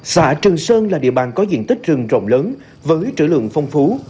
xã trường sơn là địa bàn có diện tích rừng rộng lớn với trữ lượng phong phú